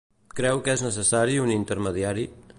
Creu que és necessari un intermediari?